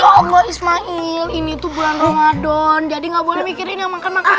ya allah ismail ini tuh bulan ramadan jadi nggak boleh mikirin yang makan makan